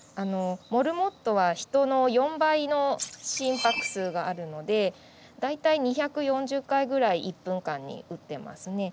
モルモットは人の４倍の心拍数があるので大体２４０回ぐらい１分間に打ってますね。